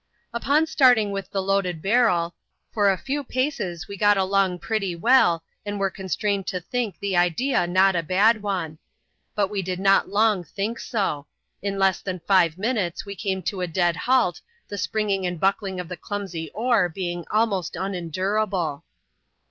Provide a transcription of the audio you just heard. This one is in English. Upon starting with the loaded barrel, for a few paces we got along pretty well, and were constrained to think the idea not a bad one. But we did not long think so. In less than five minutes we came to a dead halt, the springing and buckling of the clumsy oar being almost unendurable.